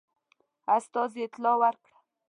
استازي اطلاع ورکړه.